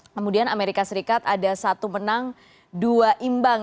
kemudian amerika serikat ada satu menang dua imbang